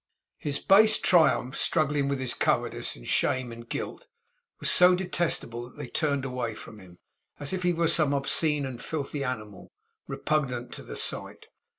His base triumph, struggling with his cowardice, and shame, and guilt, was so detestable, that they turned away from him, as if he were some obscene and filthy animal, repugnant to the sight.